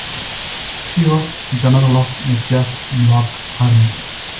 He was general of Mathias' Black Army.